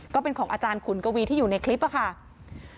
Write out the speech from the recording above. ก็เป็นของอาจารย์ขุนกวีที่อยู่ในคลิปค่ะ